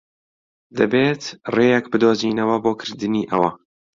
دەبێت ڕێیەک بدۆزینەوە بۆ کردنی ئەوە.